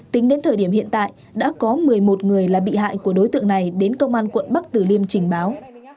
tính đến thời điểm hiện tại đã có một mươi một người là bị hại của đối tượng này đến công an quận bắc tử liêm trình báo